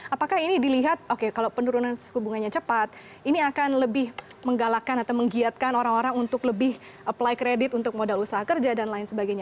apakah ini dilihat oke kalau penurunan suku bunganya cepat ini akan lebih menggalakkan atau menggiatkan orang orang untuk lebih apply credit untuk modal usaha kerja dan lain sebagainya